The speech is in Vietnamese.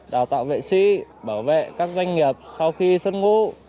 đào tạo vệ sĩ bảo vệ các doanh nghiệp sau khi xuất ngũ